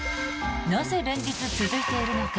なぜ連日続いているのか。